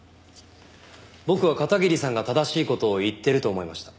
僕は片桐さんが正しい事を言ってると思いました。